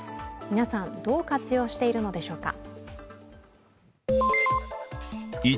皆さん、どう活用しているのでしょうか。